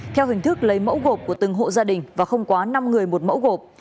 theo hình thức lấy mẫu gộp của từng hộ gia đình và không quá năm người một mẫu gộp